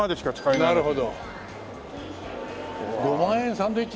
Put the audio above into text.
なるほど。